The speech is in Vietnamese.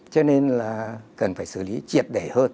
cho nên là cần phải xử lý triệt để hơn